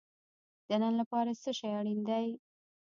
د نن لپاره څه شی اړین دی؟